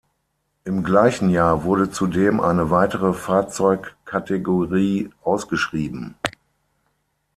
Im gleichen Jahr wurde zudem eine weitere Fahrzeugkategorie ausgeschrieben.